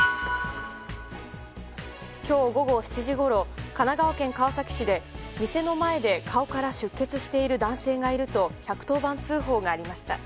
今日、午後７時ごろ神奈川県川崎市で店の前で顔から出血している男性がいると１１０番通報がありました。